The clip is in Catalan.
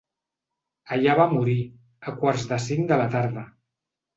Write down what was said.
Allà va morir, a quarts de cinc de la tarda.